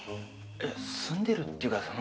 いや住んでるっていうかその。